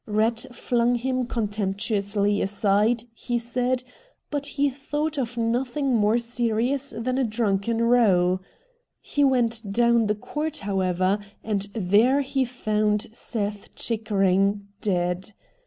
Eatt flung him contemptuously aside, he said, but he thought of nothincr more serious than a drunken row. He went down the court, however, and there he found Seth Chickering dead.